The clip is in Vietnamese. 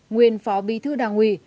nguyên phó bí thư đảng ủy